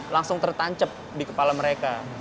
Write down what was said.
langsung tertancep di kepala mereka